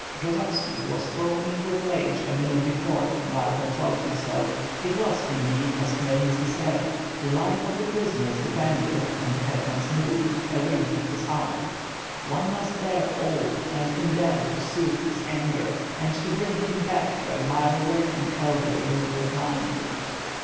Bjozovski, who was foaming with rage a minute before, now controlled himself. It was, indeed, as Khmyelnitski said. The life of the prisoners depended on the hetman's mood, a wink of his eye. One must bear all and endeavor to soothe his anger, and to bring him back to a "milder and healthier mood of mind."